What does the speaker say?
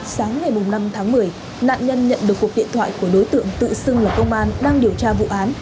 sáng ngày năm tháng một mươi nạn nhân nhận được cuộc điện thoại của đối tượng tự xưng là công an đang điều tra vụ án